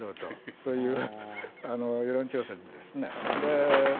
そういう世論調査でですね。